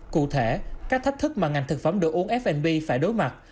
cụ thể các thách thức mà ngành thực phẩm đồ uống f b phải đối mặt